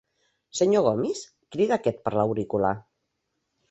Senyor Gomis? —crida aquest per l'auricular.